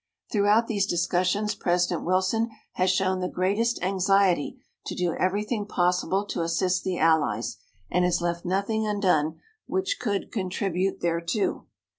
"Throughout these discussions President Wilson has shown the greatest anxiety to do everything possible to assist the Allies, and has left nothing undone which could contribute thereto.